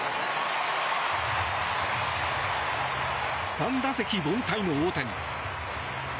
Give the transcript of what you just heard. ３打席凡退の大谷。